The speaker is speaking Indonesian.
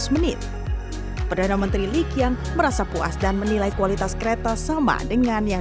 menit perdana menteri likian merasa puas dan menilai kualitas kereta sama dengan yang